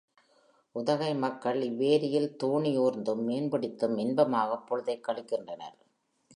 உதகை மக்கள் இவ்வேரியில் தோணியூர்ந்தும், மீன் பிடித்தும் இன்பமாகப் பொழுதைக் கழிக்கின்றனர்.